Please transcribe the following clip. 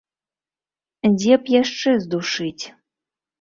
Дзе б яшчэ здушыць?